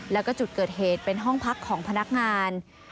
แล้วก็จุดเกิดเหตุเป็นห้องพักของพนักงาน